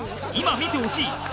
今見てほしい！